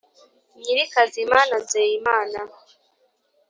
nyirikazima na nzeyimana